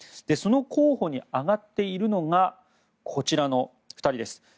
その候補に挙がっているのがこちらの２人です。